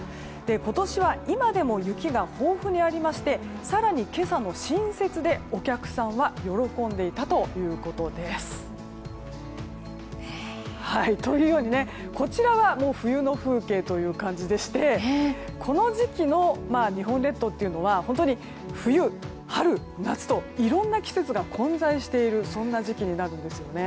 今年は今でも雪が豊富にありまして更に今朝の新雪でお客さんは喜んでいたということです。というように、こちらはもう冬の風景という感じでしてこの時期の日本列島というのは冬、春、夏といろいろな季節が混在している時期になるんです。